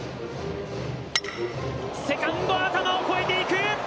セカンドの頭を越えていく！